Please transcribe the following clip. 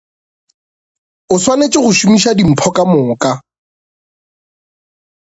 O swanetše go šomiša dimpho ka moka.